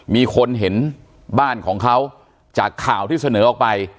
มีคนเห็นบ้านของเขาจากข่าวที่เสนอออกไป